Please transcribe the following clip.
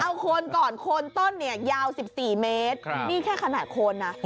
เอาโคนก่อนโคนต้นเนี่ยยาว๑๔เมตรนี่แค่ขนาดโคนนะ